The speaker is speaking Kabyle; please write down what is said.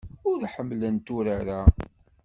Ur ḥemmlent urar-a.